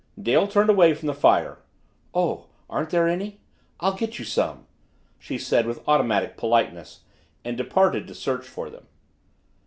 Dale turned away from the fire. "Oh, aren't there any? I'll get you some," she said with automatic politeness, and departed to search for them.